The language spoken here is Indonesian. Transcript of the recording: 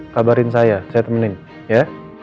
kabarin saya saya temenin ya